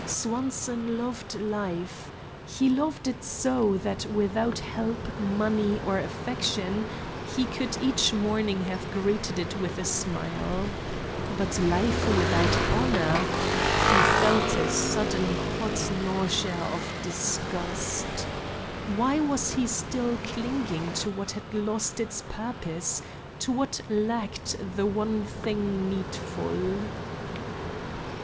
Swanson loved life. He loved it so that without help, money, or affection he could each morning have greeted it with a smile. But life without honor! He felt a sudden hot nausea of disgust. Why was he still clinging to what had lost its purpose, to what lacked the one thing needful?